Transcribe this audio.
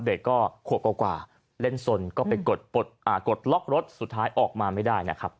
เด็กก็ขวบกว่าเล่นสนก็ไปกดล็อกรถสุดท้ายออกมาไม่ได้นะครับ